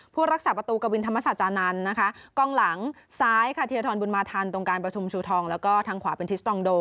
ผู้รักษาประตูกวินธรรมศาสตร์จานันต์กล้องหลังซ้ายธีรธรรมบุญมาธรรมตรงกาลประธุมชูทองและทางขวาเป็นทิสตรองโด